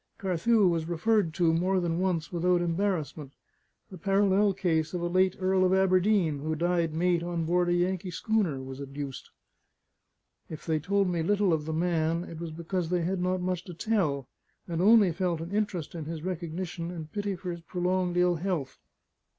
Carthew was referred to more than once without embarrassment; the parallel case of a late Earl of Aberdeen, who died mate on board a Yankee schooner, was adduced. If they told me little of the man, it was because they had not much to tell, and only felt an interest in his recognition and pity for his prolonged ill health.